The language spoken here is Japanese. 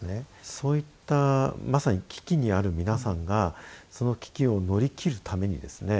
そういったまさに危機にある皆さんがその危機を乗り切るためにですね